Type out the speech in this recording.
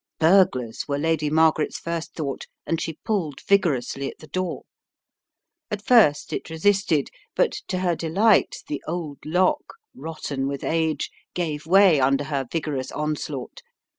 Burglars were Lady Margaret's first thought, and she pulled vigorously at the door. At first it resisted, but to her delight the old lock, rotten with age, gave way under her vigorous onslaught.